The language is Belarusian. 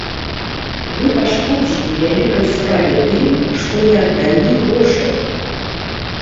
Вы пашкодзілі вялікай справе тым, што не аддалі грошай.